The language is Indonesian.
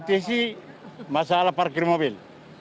ketiknya kondisi masalah parkir mobil